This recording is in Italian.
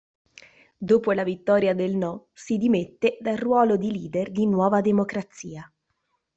Dopo la vittoria del no, si dimette dal ruolo di leader di Nuova Democrazia.